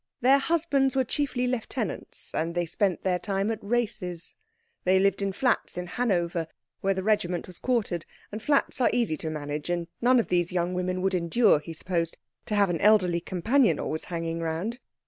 Their husbands were chiefly lieutenants, and they spent their time at races. They lived in flats in Hanover, where the regiment was quartered, and flats are easy to manage, and none of these young women would endure, he supposed, to have an elderly companion always hanging round.